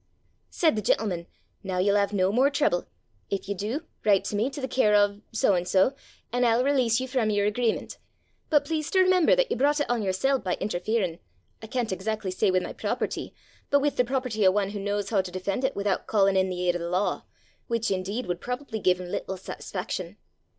"Said the gentleman, 'Now you'll have no more trouble. If you do, write to me, to the care o' so an' so an' I'll release you from your agreement. But please to remember that you brought it on yourself by interfering, I can't exackly say with my property, but with the property of one who knows how to defend it without calling in the aid of the law which indeed would probably give him little satisfaction.